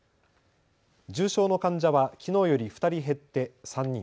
重症の患者はきのうより２人減って３人。